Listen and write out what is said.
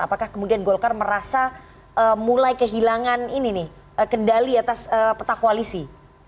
apakah kemudian golkar merasa mulai kehilangan ini nih kendali atas peta koalisi